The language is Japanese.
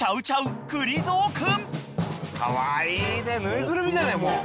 カワイイねぬいぐるみじゃないもう。